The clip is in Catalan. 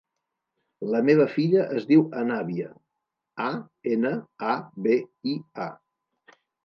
La meva filla es diu Anabia: a, ena, a, be, i, a.